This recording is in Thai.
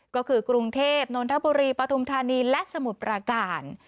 ก็คือกรุงเทพนนทบุรีปฐุมธานีและสมุทรปราการ